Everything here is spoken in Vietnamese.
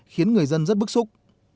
khiến người dân rất bức xúc